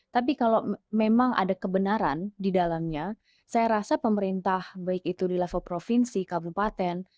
tapi kalau memang ada kebenaran di dalamnya saya rasa pemerintah baik itu di level provinsi kabupaten